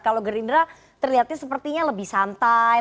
kalau gerindra terlihatnya sepertinya lebih santai